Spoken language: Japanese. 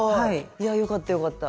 いやよかったよかった。